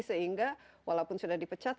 sehingga walaupun sudah di pecat